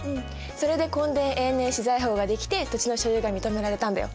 それで墾田永年私財法が出来て土地の所有が認められたんだよ。